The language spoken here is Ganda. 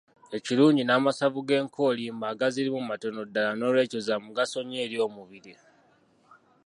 Ekilungi n'amasavu g'enkoolimbo agazirimu matono ddala nolwekyo za mugaso eri omubiri.